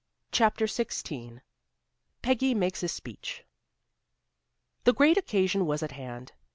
CHAPTER XVI PEGGY MAKES A SPEECH The great occasion was at hand.